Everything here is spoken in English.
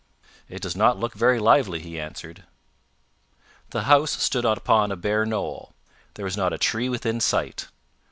"It does not look very lively," he answered. The house stood upon a bare knoll. There was not a tree within sight.